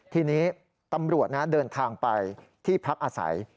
ทีนี้ตำรวจเดินทางไปที่พักอาศัย